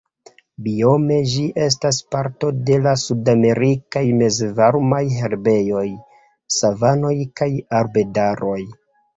Biome ĝi estas parto de la sudamerikaj mezvarmaj herbejoj, savanoj kaj arbedaroj.